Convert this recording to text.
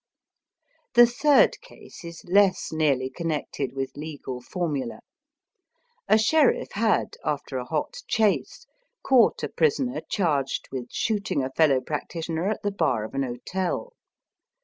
The third case is less nearly connected with legal formula. A sheriff had, after a hot chase, caught a prisoner charged with shooting a fellow practitioner at the bar of an hotel.